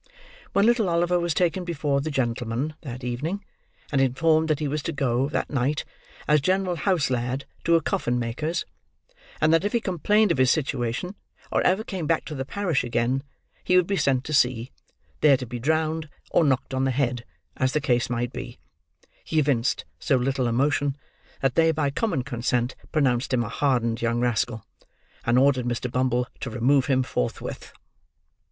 When little Oliver was taken before "the gentlemen" that evening; and informed that he was to go, that night, as general house lad to a coffin maker's; and that if he complained of his situation, or ever came back to the parish again, he would be sent to sea, there to be drowned, or knocked on the head, as the case might be, he evinced so little emotion, that they by common consent pronounced him a hardened young rascal, and ordered Mr. Bumble to remove him forthwith.